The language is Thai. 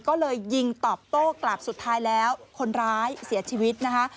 ก็เลยยิงตอบโต้กลับสุดท้ายแล้วคนร้ายเสียชีวิตนะคะ